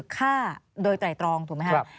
ฆ่าโดยไตรตรองถูกไหมครับ